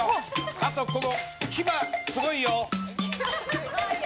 あとこの牙、すごいよ。